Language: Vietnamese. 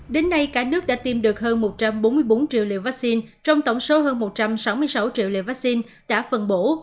đến nay cả nước đã tiêm được hơn một trăm bốn mươi bốn triệu liều vaccine trong tổng số hơn một trăm sáu mươi sáu triệu liều vaccine đã phân bổ